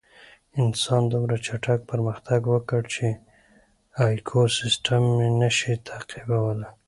انسان دومره چټک پرمختګ وکړ چې ایکوسېسټم یې نهشوی تعقیبولی.